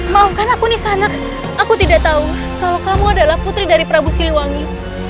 maafkan aku nisanak aku tidak tahu kalau kamu adalah putri dari prabu siliwangi